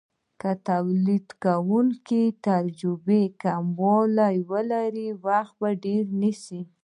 که تولیدونکی د تجربې کموالی ولري وخت ډیر نیسي.